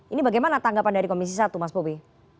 ini bagaimana tanggapan dari komisi satu mas bobi